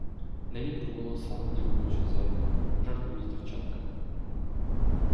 Нерідко було сам у дівочу зайде, жартує з дівчатками.